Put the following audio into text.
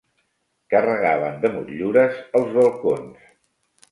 Carregaven de motllures els balcons